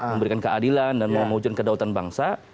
memberikan keadilan dan memujun kedahutan bangsa